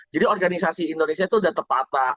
jadi organisasi indonesia itu sudah terpata